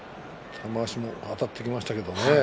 玉鷲もあたっていきましたけれどね。